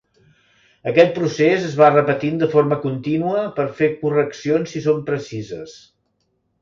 Aquest procés es va repetint de forma contínua per fer correccions si són precises.